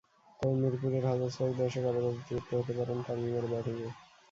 তবে মিরপুরের হাজার ছয়েক দর্শক আপাতত তৃপ্ত হতে পারেন তামিমের ব্যাটিংয়ে।